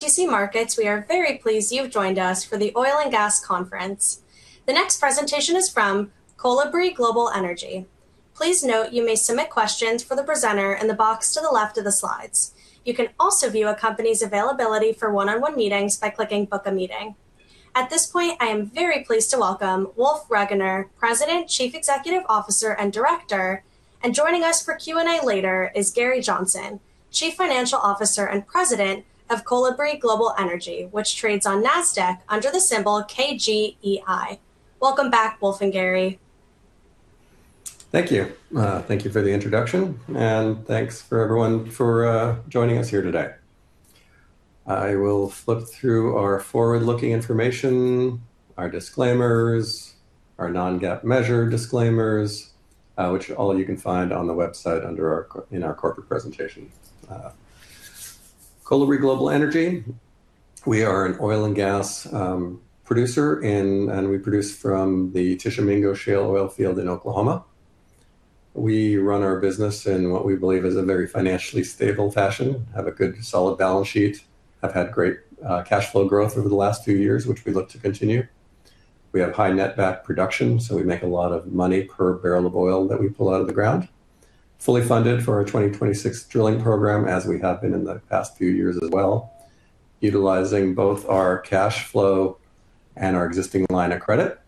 OTC Markets, we are very pleased you've joined us for the Oil and Gas Conference. The next presentation is from Kolibri Global Energy. Please note you may submit questions for the presenter in the box to the left of the slides. You can also view a company's availability for one-on-one meetings by clicking Book a Meeting. At this point, I am very pleased to welcome Wolf Regener, President, Chief Executive Officer, and Director. Joining us for Q&A later is Gary Johnson, Chief Financial Officer and President of Kolibri Global Energy, which trades on NASDAQ under the symbol KGEI. Welcome back, Wolf and Gary. Thank you. Thank you for the introduction, and thanks everyone for joining us here today. I will flip through our forward-looking information, our disclaimers, our non-GAAP measure disclaimers, which you all can find on the website in our corporate presentation. Kolibri Global Energy, we are an oil and gas producer, and we produce from the Tishomingo Shale oil field in Oklahoma. We run our business in what we believe is a very financially stable fashion, have a good solid balance sheet, have had great cash flow growth over the last few years, which we look to continue. We have high net back production, so we make a lot of money per barrel of oil that we pull out of the ground. Fully funded for our 2026 drilling program, as we have been in the past few years as well, utilizing both our cash flow and our existing line of credit.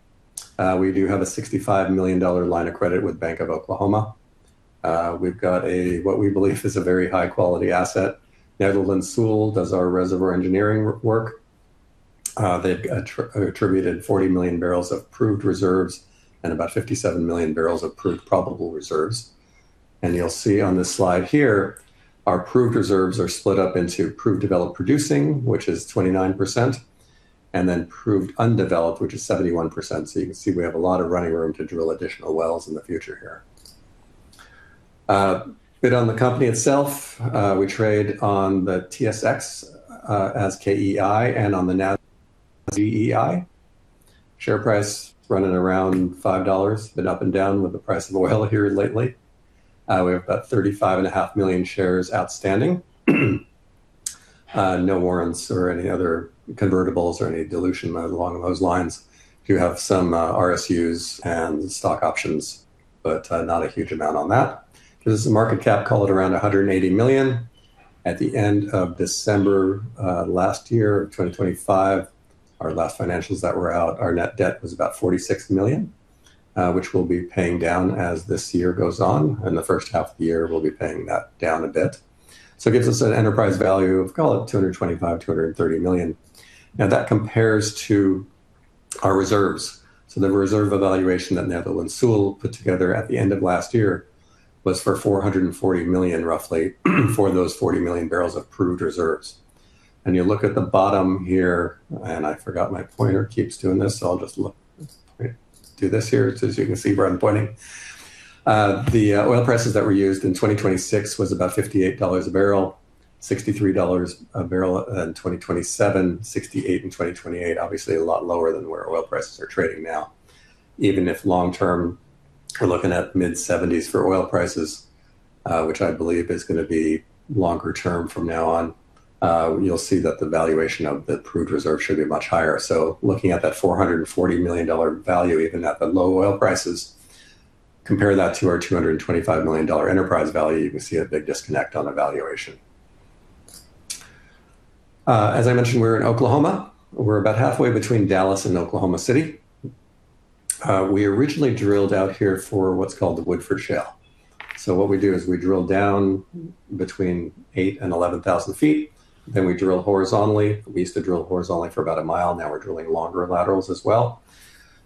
We do have a $65 million line of credit with Bank of Oklahoma. We've got what we believe is a very high-quality asset. Netherland, Sewell does our reservoir engineering work. They've attributed 40 million barrels of proved reserves and about 57 million barrels of proved probable reserves. You'll see on this slide here, our proved reserves are split up into proved developed producing, which is 29%, and then proved undeveloped, which is 71%. You can see we have a lot of running room to drill additional wells in the future here. A bit on the company itself. We trade on the TSX as KGEI and on the NASDAQ as KGEI. Share price running around $5, been up and down with the price of oil here lately. We have about 35.5 million shares outstanding. No warrants or any other convertibles or any dilution along those lines. do have some RSUs and stock options, but not a huge amount on that. There's a market cap of around $180 million. At the end of December last year, 2023, our last financials that were out, our net debt was about $46 million, which we'll be paying down as this year goes on, and the H1 of the year, we'll be paying that down a bit. It gives us an enterprise value of, call it $225-230 million. Now, that compares to our reserves. The reserve evaluation that Netherland, Sewell put together at the end of last year was for $440 million, roughly, for those 40 million barrels of proved reserves. You look at the bottom here. I forgot my pointer keeps doing this, so I'll just look. Do this here, so as you can see where I'm pointing. The oil prices that were used in 2026 was about $58 a barrel, $63 a barrel in 2027, $68 in 2028, obviously a lot lower than where oil prices are trading now. Even if long-term, we're looking at mid-70s for oil prices, which I believe is going to be longer-term from now on. You'll see that the valuation of the proved reserve should be much higher. Looking at that $440 million value, even at the low oil prices, compare that to our $225 million enterprise value, you can see a big disconnect on the valuation. As I mentioned, we're in Oklahoma. We're about halfway between Dallas and Oklahoma City. We originally drilled out here for what's called the Woodford Shale. What we do is we drill down between 8,000-11,000 feet, then we drill horizontally. We used to drill horizontally for about a mile, now we're drilling longer laterals as well.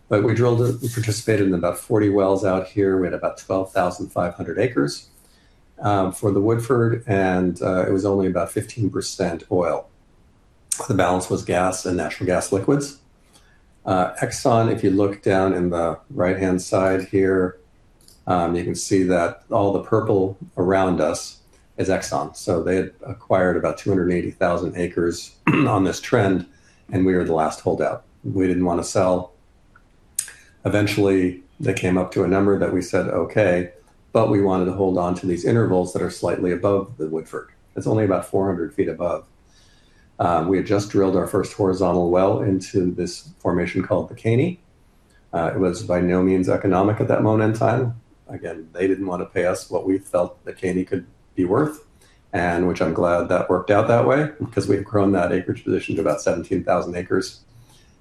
We participated in about 40 wells out here. We had about 12,500 acres for the Woodford, and it was only about 15% oil. The balance was gas and natural gas liquids. Exxon, if you look down in the right-hand side here, you can see that all the purple around us is Exxon. They had acquired about 280,000 acres on this trend, and we were the last holdout. We didn't want to sell. Eventually, they came up to a number that we said, "Okay," but we wanted to hold onto these intervals that are slightly above the Woodford. It's only about 400 feet above. We had just drilled our first horizontal well into this formation called the Caney. It was by no means economic at that moment in time. Again, they didn't want to pay us what we felt the Caney could be worth, and which I'm glad that worked out that way because we've grown that acreage position to about 17,000 acres.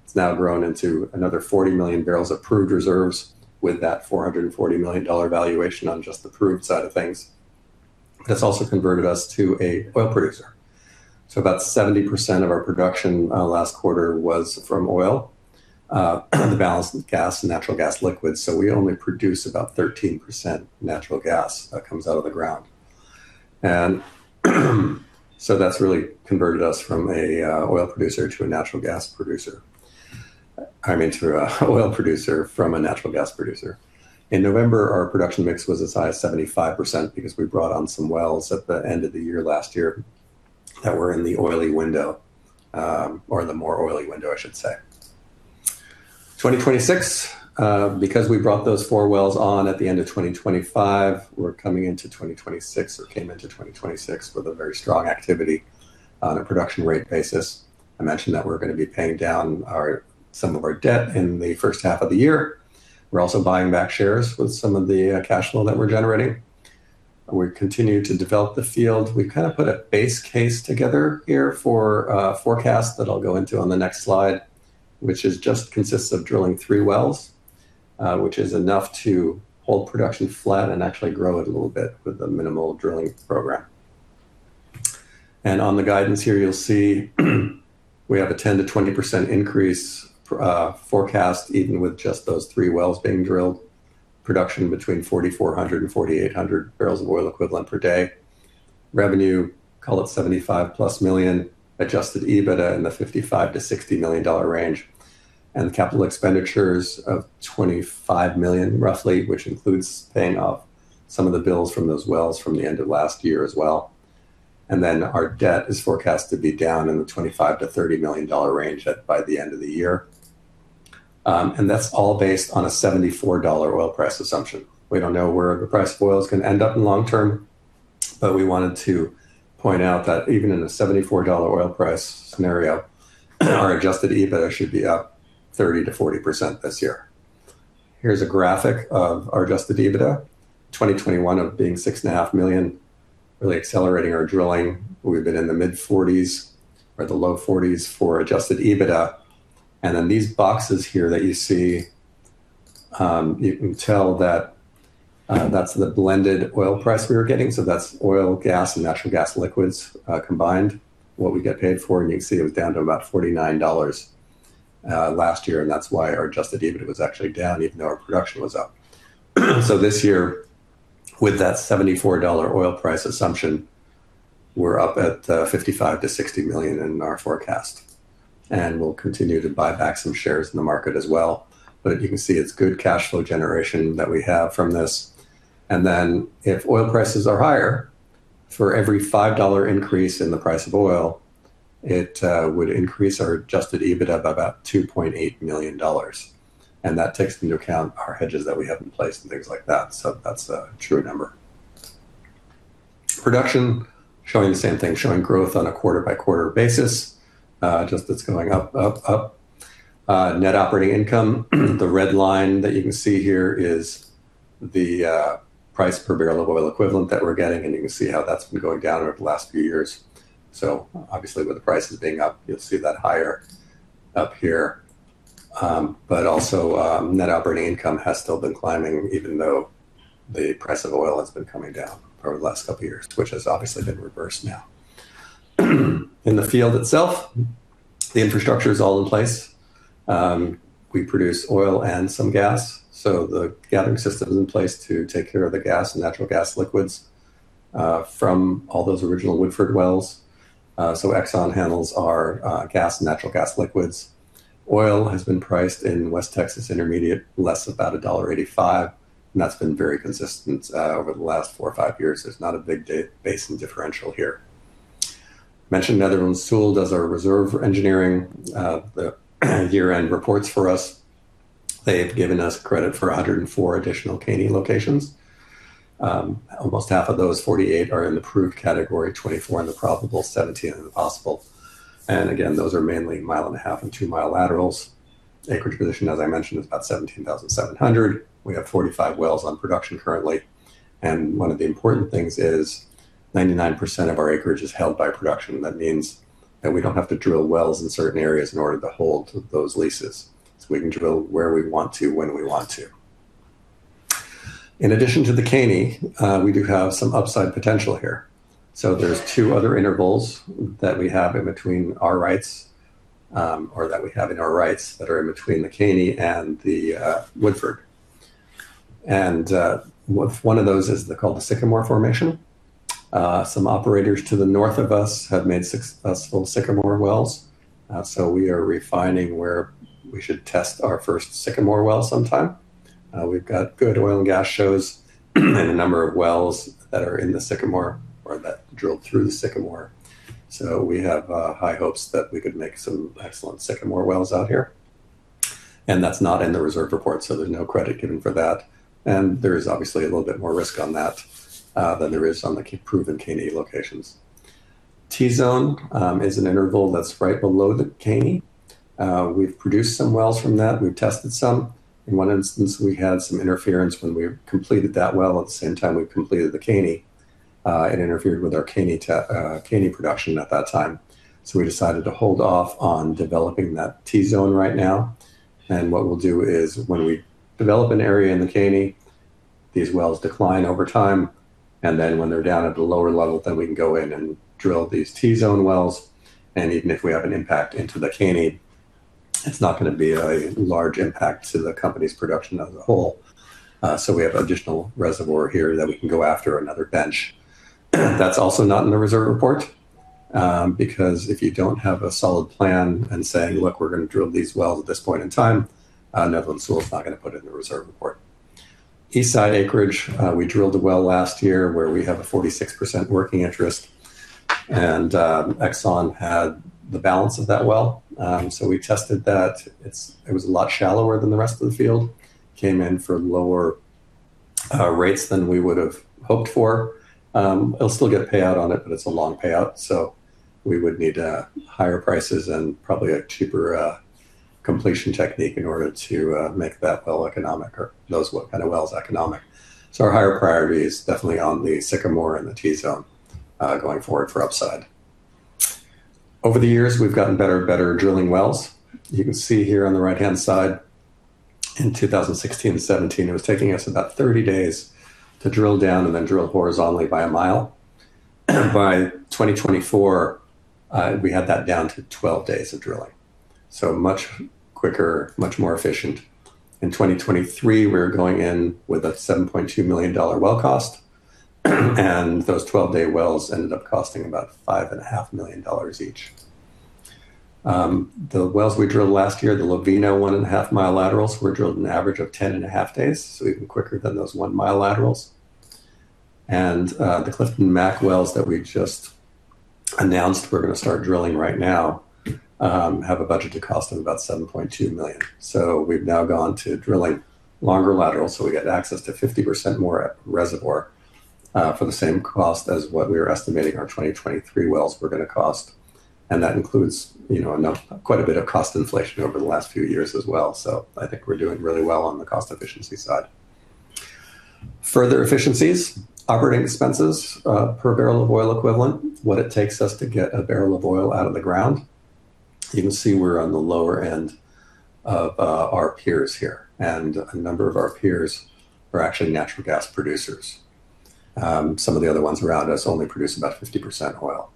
It's now grown into another 40 million barrels of proved reserves with that $440 million valuation on just the proved side of things. That's also converted us to an oil producer. About 70% of our production last quarter was from oil, the balance was gas and natural gas liquids. We only produce about 13% natural gas that comes out of the ground. That's really converted us from an oil producer to a natural gas producer. I mean, to an oil producer from a natural gas producer. In November, our production mix was as high as 75% because we brought on some wells at the end of the year last year that were in the oily window, or the more oily window, I should say. In 2026, because we brought those four wells on at the end of 2025, we're coming into 2026 or came into 2026 with a very strong activity on a production rate basis. I mentioned that we're going to be paying down some of our debt in the H1 of the year. We're also buying back shares with some of the cash flow that we're generating. We continue to develop the field. We kind of put a base case together here for a forecast that I'll go into on the next slide, which just consists of drilling three wells. Which is enough to hold production flat and actually grow it a little bit with a minimal drilling program. On the guidance here, you'll see we have a 10%-20% increase forecast even with just those three wells being drilled. Production between 4,400 and 4,800 barrels of oil equivalent per day. Revenue, call it $75+ million. Adjusted EBITDA in the $55 million-60 million range, and capital expenditures of $25 million roughly, which includes paying off some of the bills from those wells from the end of last year as well. Our debt is forecast to be down in the $25 million-30 million range by the end of the year. That's all based on a $74 oil price assumption. We don't know where the price of oil is going to end up in long-term, but we wanted to point out that even in a $74 oil price scenario, our adjusted EBITDA should be up 30%-40% this year. Here's a graphic of our adjusted EBITDA. In 2021 it was $6.5 million, really accelerating our drilling. We've been in the mid-$40s or the low $40s for adjusted EBITDA. These boxes here that you see, you can tell that's the blended oil price we were getting. That's oil, gas, and natural gas liquids combined. What we get paid for, and you can see it was down to about $49 last year, and that's why our adjusted EBITDA was actually down even though our production was up. This year, with that $74 oil price assumption, we're up at $55-60 million in our forecast. We'll continue to buy back some shares in the market as well. You can see it's good cash flow generation that we have from this. Then if oil prices are higher, for every $5 increase in the price of oil, it would increase our adjusted EBITDA by about $2.8 million. That takes into account our hedges that we have in place and things like that. That's a true number. Production, showing the same thing, showing growth on a quarter-by-quarter basis. Just it's going up, up. Net operating income. The red line that you can see here is the price per barrel of oil equivalent that we're getting, and you can see how that's been going down over the last few years. Obviously with the prices being up, you'll see that higher up here. Also, net operating income has still been climbing even though the price of oil has been coming down over the last couple of years, which has obviously been reversed now. In the field itself, the infrastructure is all in place. We produce oil and some gas, so the gathering system is in place to take care of the gas and natural gas liquids from all those original Woodford wells. Exxon handles our gas and natural gas liquids. Oil has been priced in West Texas Intermediate, less about $1.85, and that's been very consistent over the last four or five years. It's not a big basis and differential here. As mentioned, Netherland, Sewell does our reserve engineering and the year-end reports for us. They've given us credit for 104 additional Caney locations. Almost half of those, 48, are in the proved category, 24 in the probable, 17 in the possible. Again, those are mainly 1.5-mile and 2-mile laterals. Acreage position, as I mentioned, is about 17,700. We have 45 wells on production currently. One of the important things is 99% of our acreage is held by production. That means that we don't have to drill wells in certain areas in order to hold those leases. We can drill where we want to when we want to. In addition to the Caney, we do have some upside potential here. There's two other intervals that we have in between our rights, or that we have in our rights that are in between the Caney and the Woodford. One of those is called the Sycamore Formation. Some operators to the north of us have made successful Sycamore wells, so we are refining where we should test our first Sycamore well sometime. We've got good oil and gas shows in a number of wells that are in the Sycamore or that drilled through the Sycamore. So we have high hopes that we could make some excellent Sycamore wells out here. That's not in the reserve report, so there's no credit given for that, and there is obviously a little bit more risk on that, than there is on the proven Caney locations. T Zone is an interval that's right below the Caney. We've produced some wells from that. We've tested some. In one instance, we had some interference when we completed that well at the same time we completed the Caney. It interfered with our Caney production at that time. We decided to hold off on developing that T Zone right now. What we'll do is when we develop an area in the Caney, these wells decline over time, and then when they're down at the lower level, then we can go in and drill these T Zone wells, and even if we have an impact into the Caney, it's not going to be a large impact to the company's production as a whole. We have additional reservoir here that we can go after, another bench. That's also not in the reserve report, because if you don't have a solid plan and saying, "Look, we're going to drill these wells at this point in time," Netherland, Sewell & Associates is not going to put it in the reserve report. Eastside acreage, we drilled a well last year where we have a 46% working interest, and Exxon had the balance of that well. So we tested that. It was a lot shallower than the rest of the field. Came in for lower rates than we would've hoped for. It'll still get a payout on it, but it's a long payout, so we would need higher prices and probably a cheaper completion technique in order to make that well economic or those kind of wells economic. So our higher priority is definitely on the Sycamore and the T Zone, going forward for upside. Over the years, we've gotten better at drilling wells. You can see here on the right-hand side, in 2016 and 2017, it was taking us about 30 days to drill down and then drill horizontally by a mile. By 2024, we had that down to 12 days of drilling. Much quicker, much more efficient. In 2023, we were going in with a $7.2 million well cost, and those 12-day wells ended up costing about $5.5 million each. The wells we drilled last year, the Lovina 1.5-mile laterals were drilled in an average of 10.5 days, so even quicker than those 1-mile laterals. The Clifton Mac wells that we just announced we're going to start drilling right now, have a budgeted cost of about $7.2 million. We've now gone to drilling longer laterals so we get access to 50% more reservoir, for the same cost as what we were estimating our 2023 wells were going to cost. That includes quite a bit of cost inflation over the last few years as well. I think we're doing really well on the cost efficiency side. Further efficiencies. Operating expenses, per barrel of oil equivalent, what it takes us to get a barrel of oil out of the ground. You can see we're on the lower end of our peers here, and a number of our peers are actually natural gas producers. Some of the other ones around us only produce about 50% oil.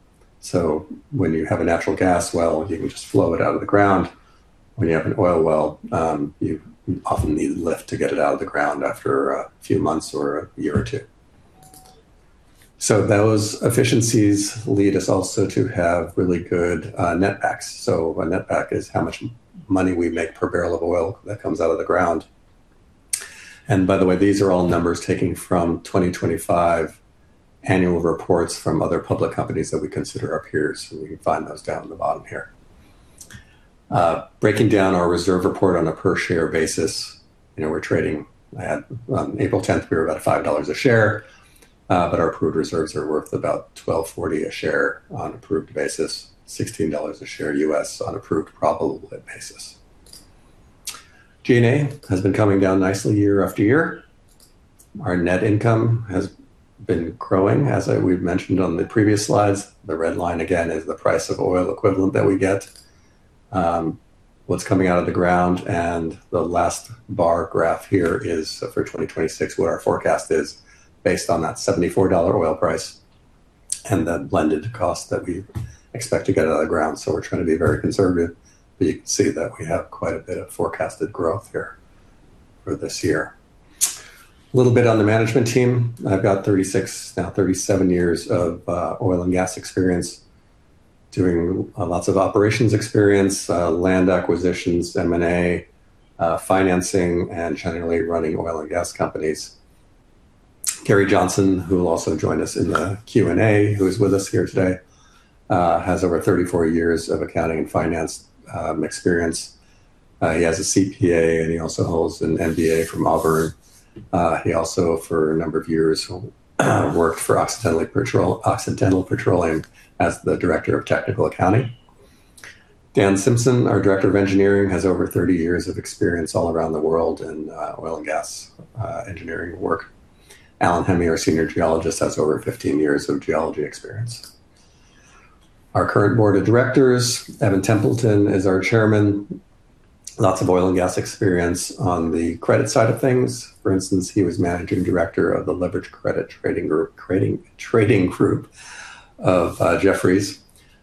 When you have a natural gas well, you can just flow it out of the ground. When you have an oil well, you often need a lift to get it out of the ground after a few months or a year or two. Those efficiencies lead us also to have really good netbacks. Our netback is how much money we make per barrel of oil that comes out of the ground. By the way, these are all numbers taken from 2025 annual reports from other public companies that we consider our peers, and you can find those down at the bottom here. Breaking down our reserve report on a per-share basis. We're trading at on April 10th, we were about $5 a share, but our proved reserves are worth about $12.40 a share on proved basis, $16 a share U.S. on proved probable basis. G&A has been coming down nicely year after year. Our net income has been growing. As we've mentioned on the previous slides, the red line, again, is the price of oil equivalent that we get. What's coming out of the ground, and the last bar graph here is for 2026, where our forecast is based on that $74 oil price and the blended cost that we expect to get out of the ground. We're trying to be very conservative, but you can see that we have quite a bit of forecasted growth here for this year. A little bit on the management team. I've got 36, now 37 years of oil and gas experience doing lots of operations experience, land acquisitions, M&A, financing, and generally running oil and gas companies. Gary Johnson, who will also join us in the Q&A, who's with us here today, has over 34 years of accounting and finance experience. He has a CPA, and he also holds an MBA from Auburn. He also, for a number of years, worked for Occidental Petroleum as the Director of Technical Accounting. Dan Simpson, our Director of Engineering, has over 30 years of experience all around the world in oil and gas engineering work. Alan Hemmy, our Senior Geologist, has over 15 years of geology experience. Our current board of directors, Evan Templeton, is our Chairman, lots of oil and gas experience on the credit side of things. For instance, he was Managing Director of the Leveraged Credit Trading Group of Jefferies.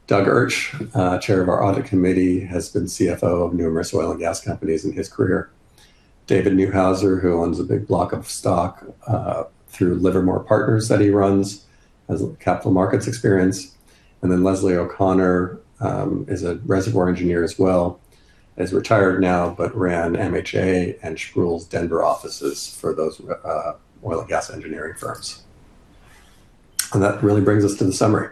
Doug Urch, Chair of our Audit Committee, has been CFO of numerous oil and gas companies in his career. David Neuhauser, who owns a big block of stock through Livermore Partners that he runs, has capital markets experience. Then Leslie O'Connor is a reservoir engineer as well, is retired now, but ran MHA and Sproule's Denver offices for those oil and gas engineering firms. That really brings us to the summary.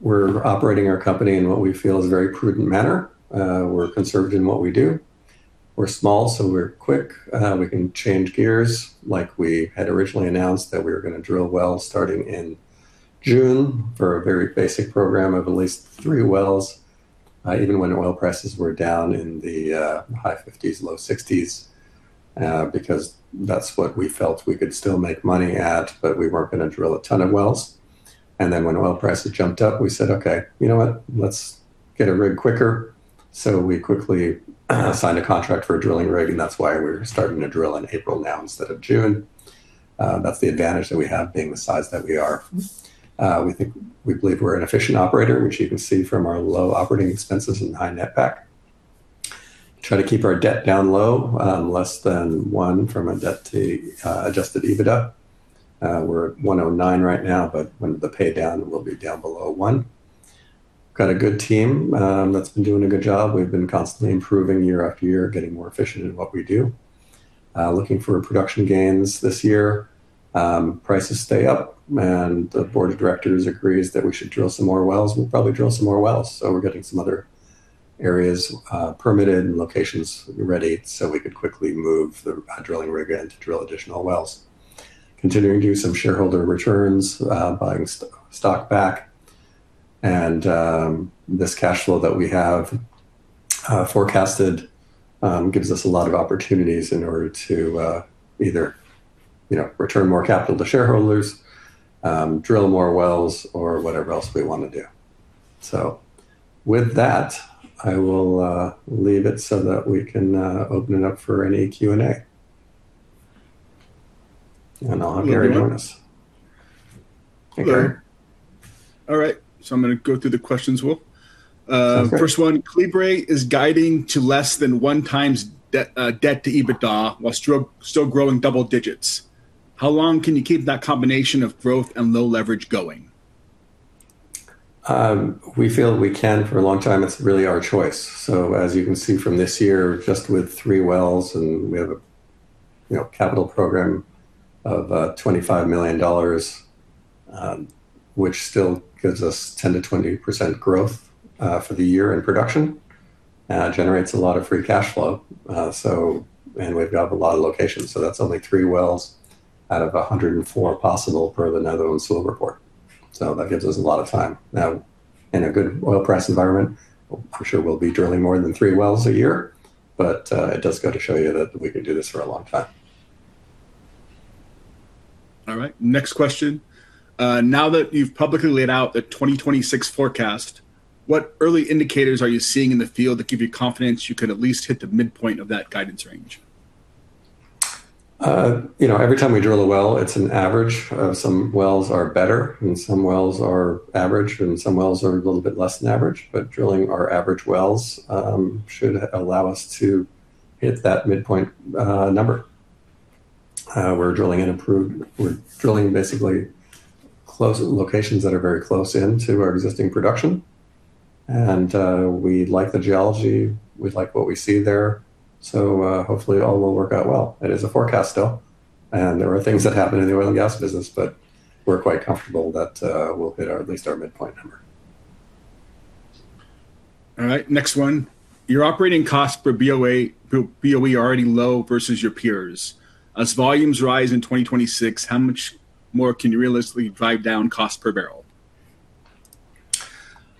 We're operating our company in what we feel is a very prudent manner. We're conservative in what we do. We're small, so we're quick. We can change gears like we had originally announced that we were going to drill wells starting in June for a very basic program of at least three wells, even when oil prices were down in the high $50s, low $60s, because that's what we felt we could still make money at, but we weren't going to drill a ton of wells. When oil prices jumped up, we said, "Okay, you know what? Let's get a rig quicker." We quickly signed a contract for a drilling rig, and that's why we're starting to drill in April now instead of June. That's the advantage that we have, being the size that we are. We believe we're an efficient operator, which you can see from our low operating expenses and high netback. We try to keep our debt down low, less than 1x debt to adjusted EBITDA. We're at 1.09 right now, but when the pay-down, we'll be down below one. We've got a good team that's been doing a good job. We've been constantly improving year-after-year, getting more efficient in what we do. Looking for production gains this year. If prices stay up and the board of directors agrees that we should drill some more wells, we'll probably drill some more wells. We're getting some other areas permitted and locations ready so we could quickly move the drilling rig in to drill additional wells. Continuing to do some shareholder returns, buying stock back. This cash flow that we have forecasted gives us a lot of opportunities in order to either return more capital to shareholders, drill more wells, or whatever else we want to do. With that, I will leave it so that we can open it up for any Q&A. I'll hand it over to us. All right. I'm going to go through the questions, Will. First one, Kolibri is guiding to less than 1x debt to EBITDA while still growing double digits. How long can you keep that combination of growth and low leverage going? We feel we can for a long time. It's really our choice. As you can see from this year, just with three wells, and we have a capital program of $25 million, which still gives us 10%-20% growth for the year in production, and generates a lot of free cash flow. We've got a lot of locations, so that's only three wells out of 104 possible per the Netherland Sewell oil report. That gives us a lot of time. Now, in a good oil price environment, for sure we'll be drilling more than three wells a year. It does go to show you that we can do this for a long time. All right. Next question. Now that you've publicly laid out the 2026 forecast, what early indicators are you seeing in the field that give you confidence you could at least hit the midpoint of that guidance range? Every time we drill a well, it's an average. Some wells are better and some wells are average, and some wells are a little bit less than average. Drilling our average wells should allow us to hit that midpoint number. We're drilling basically close locations that are very close in to our existing production. We like the geology, we like what we see there. Hopefully it all will work out well. It is a forecast, though, and there are things that happen in the oil and gas business, but we're quite comfortable that we'll hit at least our midpoint number. All right. Next one. Your operating cost per BOE are already low versus your peers. As volumes rise in 2026, how much more can you realistically drive down cost per barrel?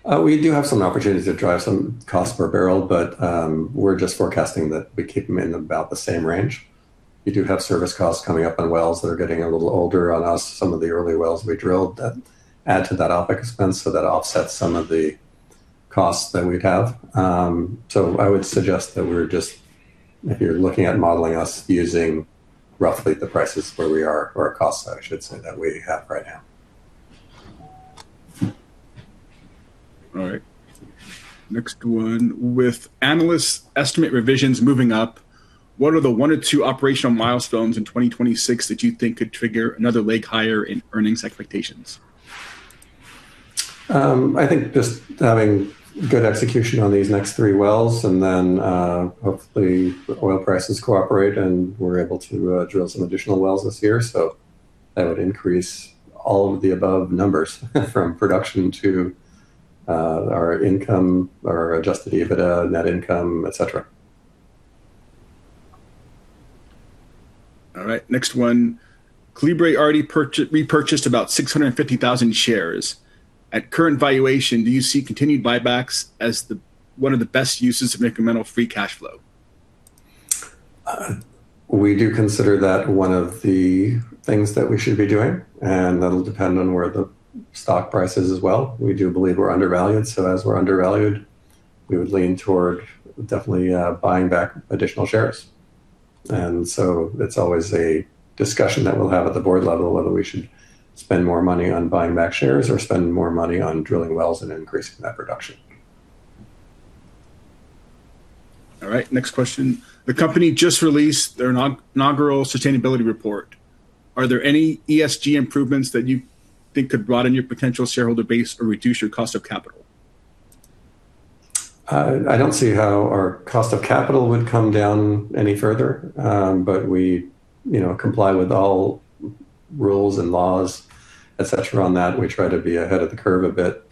We do have some opportunities to drive some cost per barrel, but we're just forecasting that we keep them in about the same range. We do have service costs coming up on wells that are getting a little older on us, some of the early wells we drilled that add to that OPEX expense, so that offsets some of the costs that we'd have. I would suggest that if you're looking at modeling us, using roughly the prices where we are, or our cost, I should say, that we have right now. All right. Next one. With analysts' estimate revisions moving up, what are the one or two operational milestones in 2026 that you think could trigger another leg higher in earnings expectations? I think just having good execution on these next three wells, and then hopefully the oil prices cooperate and we're able to drill some additional wells this year. That would increase all of the above numbers from production to our income, our adjusted EBITDA, net income, et cetera. All right. Next one. Kolibri already repurchased about 650,000 shares. At current valuation, do you see continued buybacks as one of the best uses of incremental free cash flow? We do consider that one of the things that we should be doing, and that'll depend on where the stock price is as well. We do believe we're undervalued. As we're undervalued, we would lean toward definitely buying back additional shares. That's always a discussion that we'll have at the board level, whether we should spend more money on buying back shares or spend more money on drilling wells and increasing that production. All right. Next question. The company just released their inaugural sustainability report. Are there any ESG improvements that you think could broaden your potential shareholder base or reduce your cost of capital? I don't see how our cost of capital would come down any further. We comply with all rules and laws, et cetera, on that. We try to be ahead of the curve a bit.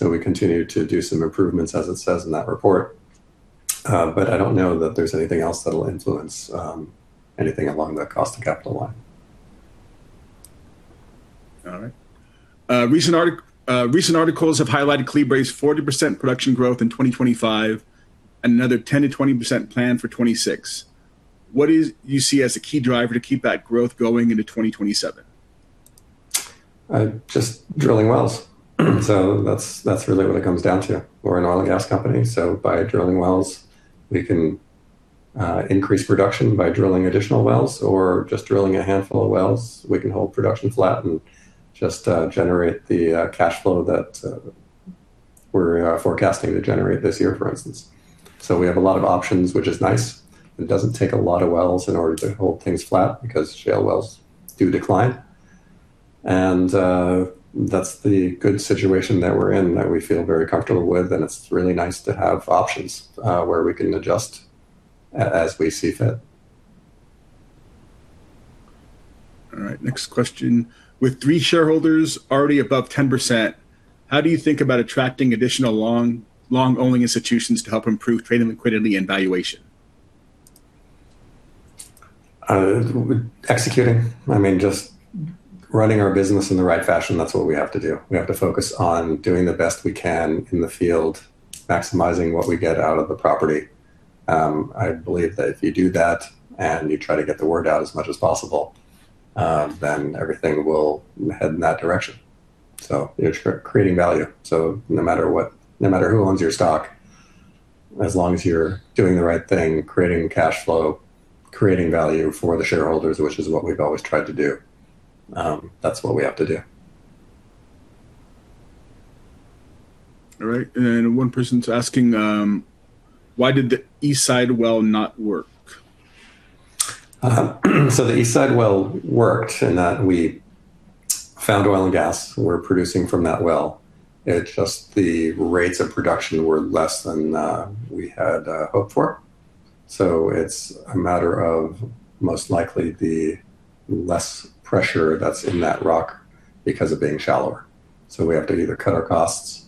We continue to do some improvements, as it says in that report. I don't know that there's anything else that'll influence anything along the cost of capital line. All right. Recent articles have highlighted Kolibri's 40% production growth in 2025, and another 10%-20% plan for 2026. What do you see as a key driver to keep that growth going into 2027? Just drilling wells. That's really what it comes down to. We're an oil and gas company, so by drilling wells, we can increase production by drilling additional wells, or just drilling a handful of wells, we can hold production flat and just generate the cash flow that we're forecasting to generate this year, for instance. We have a lot of options, which is nice. It doesn't take a lot of wells in order to hold things flat because shale wells do decline. That's the good situation that we're in that we feel very comfortable with, and it's really nice to have options where we can adjust as we see fit. All right, next question. With three shareholders already above 10%, how do you think about attracting additional long-only institutions to help improve trading liquidity and valuation? Executing. Just running our business in the right fashion. That's what we have to do. We have to focus on doing the best we can in the field, maximizing what we get out of the property. I believe that if you do that, and you try to get the word out as much as possible, then everything will head in that direction. You're creating value. No matter who owns your stock, as long as you're doing the right thing, creating cash flow, creating value for the shareholders, which is what we've always tried to do. That's what we have to do. All right. One person's asking, why did the East Side well not work? The East Side well worked in that we found oil and gas. We're producing from that well. It's just the rates of production were less than we had hoped for. It's a matter of most likely the less pressure that's in that rock because of being shallower. We have to either cut our costs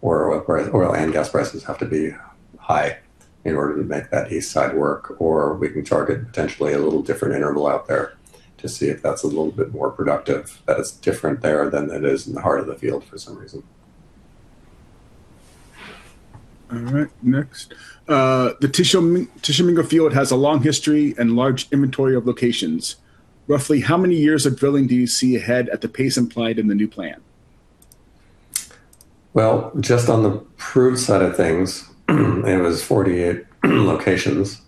or oil and gas prices have to be high in order to make that East Side work, or we can target potentially a little different interval out there to see if that's a little bit more productive, that it's different there than it is in the heart of the field for some reason. All right. Next. The Tishomingo field has a long history and large inventory of locations. Roughly how many years of drilling do you see ahead at the pace implied in the new plan? Well, just on the proved side of things, it was 48 locations.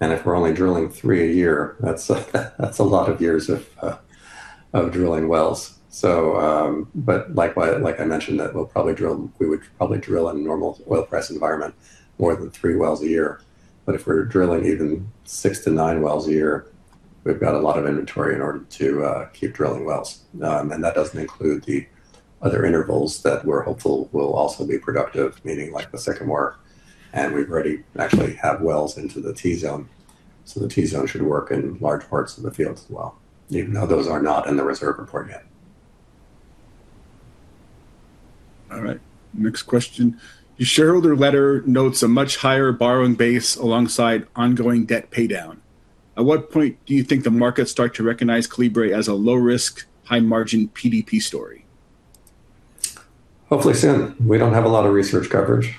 If we're only drilling three a year, that's a lot of years of drilling wells. Like I mentioned, that we would probably drill in a normal oil price environment more than three wells a year. If we're drilling even six-nine wells a year, we've got a lot of inventory in order to keep drilling wells. That doesn't include the other intervals that we're hopeful will also be productive, meaning like the Sycamore, and we already actually have wells into the T zone. The T zone should work in large parts of the field as well, even though those are not in the reserve report yet. All right. Next question. Your shareholder letter notes a much higher borrowing base alongside ongoing debt paydown. At what point do you think the markets start to recognize Kolibri as a low risk, high margin PDP story? Hopefully soon. We don't have a lot of research coverage.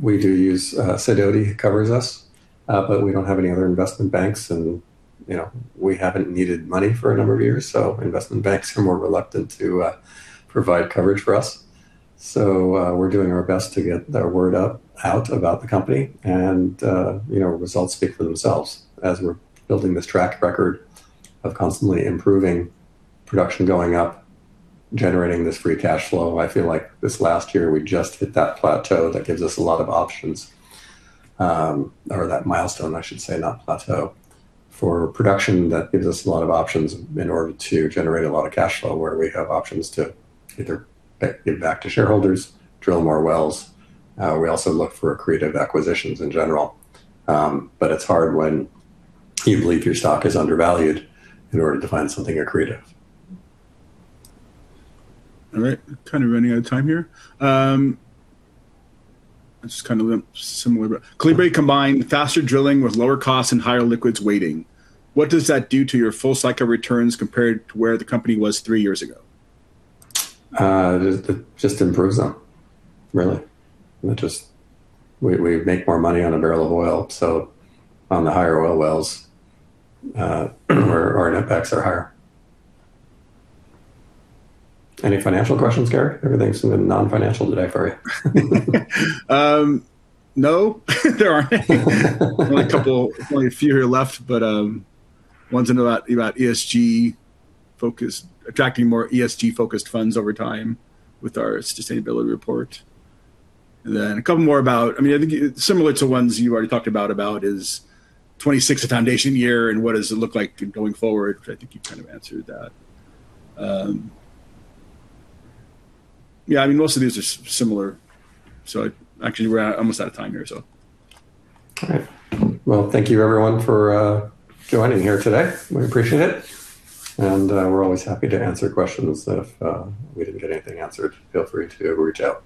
We do, Sidoti covers us, but we don't have any other investment banks, and we haven't needed money for a number of years, so investment banks are more reluctant to provide coverage for us. We're doing our best to get the word out about the company and results speak for themselves as we're building this track record of constantly improving production going up, generating this free cash flow. I feel like this last year, we just hit that plateau that gives us a lot of options, or that milestone, I should say, not plateau. For production, that gives us a lot of options in order to generate a lot of cash flow where we have options to either pay it back to shareholders, drill more wells. We also look for creative acquisitions in general. It's hard when you believe your stock is undervalued in order to find something creative. All right. Kind of running out of time here. This is kind of similar. Kolibri combined faster drilling with lower costs and higher liquids weighting. What does that do to your full cycle returns compared to where the company was three years ago? It just improves them, really. We make more money on a barrel of oil, so on the higher oil wells, our net backs are higher. Any financial questions, Gary? Everything's been non-financial today for you. No, there aren't any. Only a couple, only a few left, but one's about ESG focused, attracting more ESG focused funds over time with our sustainability report. A couple more about, I think similar to ones you already talked about is 2026 the foundation year and what does it look like going forward? Which I think you kind of answered that. Most of these are similar. Actually, we're almost out of time here, so. Okay. Well, thank you everyone for joining here today. We appreciate it. We're always happy to answer questions if we didn't get anything answered, feel free to reach out.